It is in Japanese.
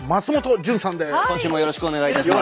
今週もよろしくお願いいたします。